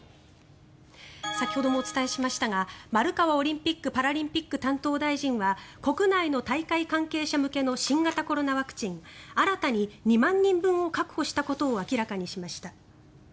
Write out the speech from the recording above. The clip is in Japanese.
先ほどもお伝えしましたが丸川オリンピック・パラリンピック担当大臣は国内の大会関係者向けの新型コロナワクチンを新たに２万人分を確保したことを明らかにしました。